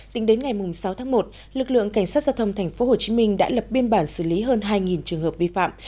tính đến ngày sáu tháng một lực lượng cảnh sát giao thông tp hcm đã lập biên bản xử lý hơn hai trường hợp vi phạm